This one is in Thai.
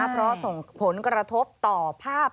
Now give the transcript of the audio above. เพราะส่งผลกระทบต่อภาพ